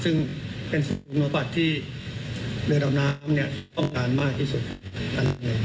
ซึ่งเป็นสมบัติที่เดือนอบน้ำต้องการมากที่สุด